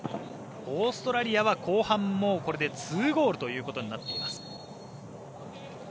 オーストラリアは後半もうこれで２ゴールということになっています。